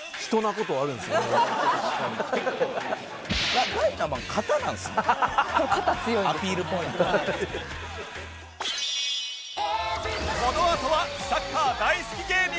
このあとはサッカー大好き芸人が登場！